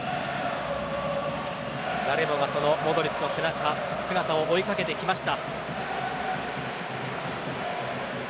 誰もがモドリッチの背中姿を追いかけてきました。